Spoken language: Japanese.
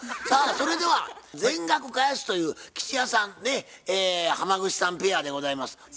さあそれでは全額返すという吉弥さん浜口さんペアでございます。